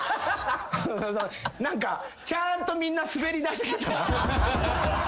何かちゃんとみんなスベりだしてきたな。